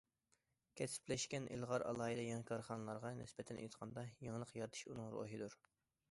كەسىپلەشكەن، ئىلغار، ئالاھىدە، يېڭى كارخانىلارغا نىسبەتەن ئېيتقاندا، يېڭىلىق يارىتىش ئۇنىڭ روھىدۇر.